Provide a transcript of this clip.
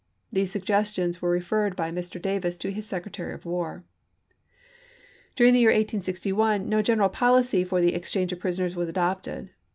These suggestions were referred by Mr. Davis to his Secretary of War. p. 239! During the year 1861 no general policy for the exchange of prisoners was adopted.